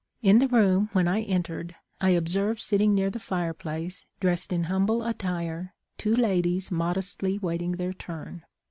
In the room, when I entered, I ob served sitting near the fireplace, dressed in humble attire, two ladies modestly waiting their turn.